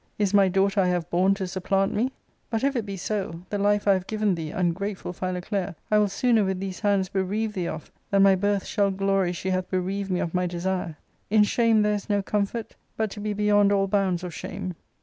Is iny daughter I have borne to supplant me ? But, if it be so, the life I have given thee, ungrateful Philoclea, I will sooner with these hands bereave thee of, than my birth shall glory she hath bereaved me of my desire. In shame there is no • comfort but to be beyond all bounds of shame."